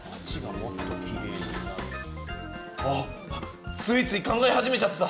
あっついつい考え始めちゃってた。